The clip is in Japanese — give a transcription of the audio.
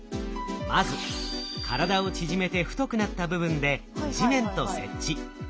まず体を縮めて太くなった部分で地面と接地。